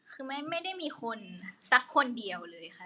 คือไม่ได้มีคนสักคนเดียวเลยค่ะ